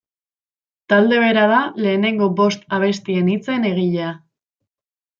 Talde bera da lehenengo bost abestien hitzen egilea.